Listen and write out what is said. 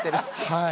はい。